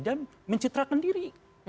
dan mencitrakan diri